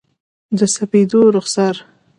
د سپېدو رخسار،